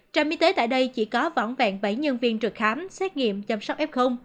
trạm y tế tại đây chỉ có vỏn vẹn bảy nhân viên trực khám xét nghiệm chăm sóc f